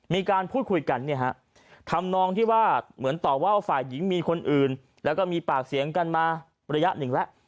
มีการพูดคุยกันเนี่ยฮะทำนองที่ว่าเหมือนตอบว่าฝ่ายหญิงมีคนอื่นแล้วก็มีปากเสียงกันมาระยะหนึ่งแล้ว